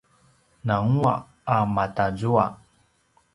nangua’ a matazua